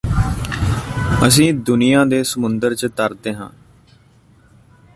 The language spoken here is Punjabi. ਅਸੀਂ ਦੁਨੀਆਂ ਦੇ ਸਮੁੰਦਰ ਚ ਤਰਦੇ ਹਾਂ